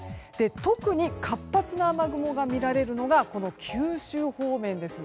特に活発な雨雲が見られるのが九州方面です。